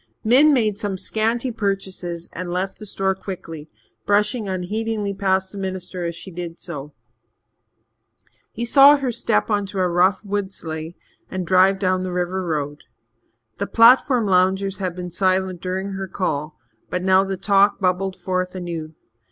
Min made some scanty purchases and left the store quickly, brushing unheedingly past the minister as she did so. He saw her step on a rough wood sleigh and drive down the river road. The platform loungers had been silent during her call, but now the talk bubbled forth anew.